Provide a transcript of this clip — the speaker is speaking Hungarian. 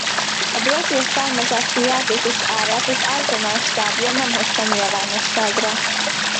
A brazil származású játékos árát az Arsenal stábja nem hozta nyilvánosságra.